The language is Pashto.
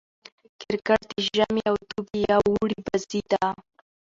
کرکټ د ژمي او دوبي يا اوړي بازي ده.